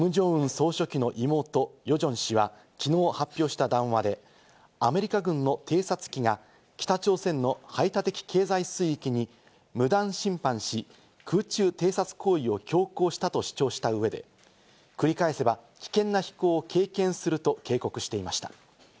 総書記の妹・ヨジョン氏はきのう発表した談話で、アメリカ軍の偵察機が北朝鮮の排他的経済水域に無断侵犯し、空中偵察行為を強行したと主張した上で、繰り返せば危険な飛行を経験すると警告していました。